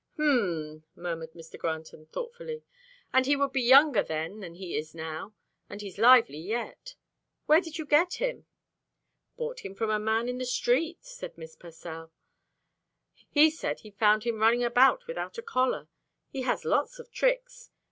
"H'm," murmured Mr. Granton thoughtfully, "and he would be younger then than he is now, and he's lively yet. Where did you get him?" "Bought him from a man in the street," said Miss Pursell. "He said he found him running about without a collar. He has lots of tricks.